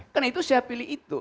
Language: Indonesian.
karena itu saya pilih itu